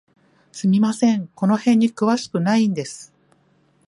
すみません、この辺に詳しくないんです。